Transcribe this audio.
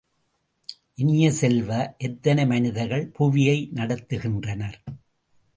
இனிய செல்வ, எத்தனை மனிதர்கள் புவியை நடத்துகின்றனர்?